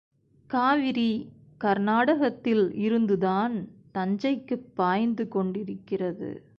காவிரி கர்நாடகத்தில் இருந்துதான் தஞ்சைக்குப் பாய்ந்து கொண்டிருக்கிறது.